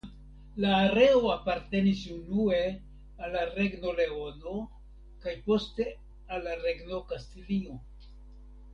La areo apartenis unue al la Regno Leono kaj poste al la Regno Kastilio.